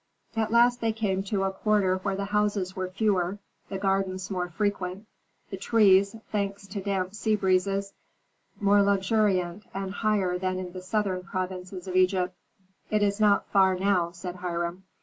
At last they came to a quarter where the houses were fewer, the gardens more frequent, the trees, thanks to damp sea breezes, more luxuriant and higher than in the southern provinces of Egypt. "It is not far now," said Hiram.